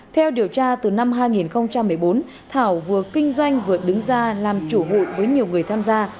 theo điều tra từ năm hai nghìn một mươi bốn thảo vừa kinh doanh vừa đứng ra làm chủ hụi với nhiều người tham gia